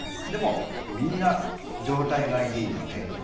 でもみんな状態がいいので。